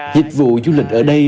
dịch vụ du lịch ở đây